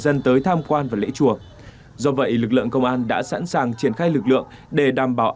dân tới tham quan và lễ chùa do vậy lực lượng công an đã sẵn sàng triển khai lực lượng để đảm bảo